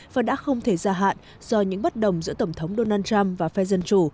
và đã không thể gia hạn do những bất đồng giữa tổng thống donald trump và phe dân chủ